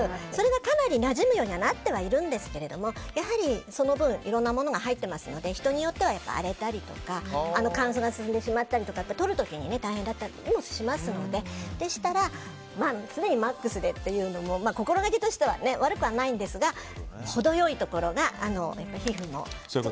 かなりなじむようになってるんですけどやはりその分いろんなものが入っていますので人によっては荒れたりとか乾燥が進んでしまったりして取る時に大変だったりもしますのででしたら常にマックスでというのも心がけとしては悪くはないんですが程良いところが皮膚にも。